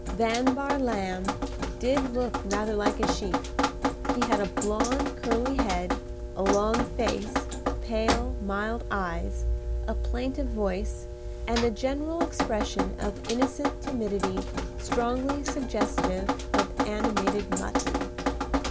Van Bahr Lamb did look rather like a sheep. He had a blond curly head, a long face, pale, mild eyes, a plaintive voice, and a general expression of innocent timidity strongly suggestive of animated mutton.